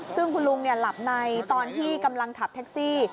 ซึ่งคุณลุงหลับในตอนที่กำลังขับแท็กซี่